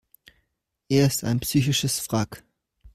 Er ist ein psychisches Wrack.